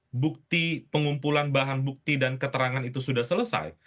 nah bukti pengumpulan bahan bukti dan keterangan itu sudah selesai